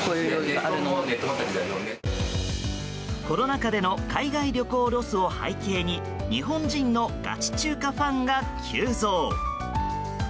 コロナ禍での海外旅行ロスを背景に日本人のガチ中華ファンが急増。